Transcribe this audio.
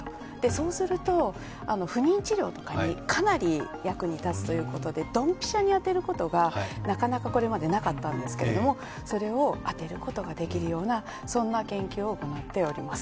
そうすると、不妊治療とかにかなり役に立つということでドンピシャに当てることがなかなかこれまでなかったんですけどそれを当てることができるような、そんな研究を行っております。